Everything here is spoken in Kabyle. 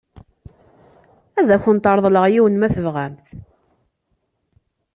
Ad awent-reḍleɣ yiwen ma tebɣamt.